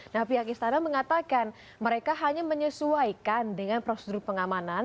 nah pihak istana mengatakan mereka hanya menyesuaikan dengan prosedur pengamanan